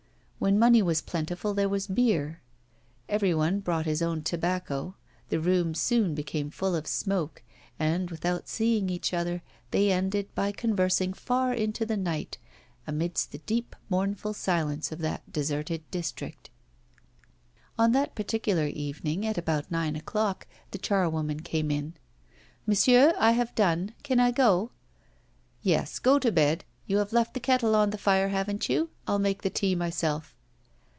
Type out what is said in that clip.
When money was plentiful there was beer. Every one brought his own tobacco, the room soon became full of smoke, and without seeing each other they ended by conversing far into the night, amidst the deep mournful silence of that deserted district. On that particular evening, at about nine o'clock, the charwoman came in. 'Monsieur, I have done. Can I go?' 'Yes, go to bed. You have left the kettle on the fire, haven't you? I'll make the tea myself.